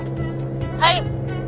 はい。